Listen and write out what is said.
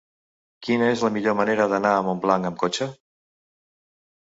Quina és la millor manera d'anar a Montblanc amb cotxe?